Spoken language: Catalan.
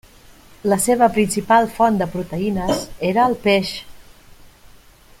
La seva principal font de proteïnes era el peix.